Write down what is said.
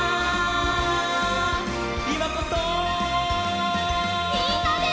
「いまこそ！」みんなで！